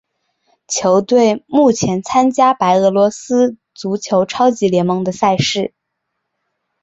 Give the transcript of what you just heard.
球队目前参加白俄罗斯足球超级联赛的赛事。